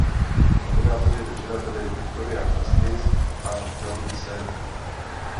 Moderátory večera byli Victoria Justice a John Cena.